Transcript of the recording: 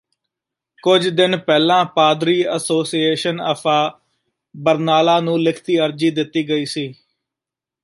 ਕੁੱਝ ਦਿਨ ਪਹਿਲਾਂ ਪਾਦਰੀ ਐਸੋਸਿਏਸ਼ਨ ਅਫਾ ਬਰਨਾਲਾ ਨੂੰ ਲਿਖਤੀ ਅਰਜ਼ੀ ਦਿੱਤੀ ਗਈ ਸੀ